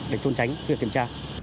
để trốn tránh việc kiểm tra